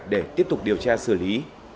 để tiếp tục điều tra xử lý